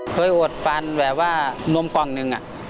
เคยอดปันแบบว่านมกองนึง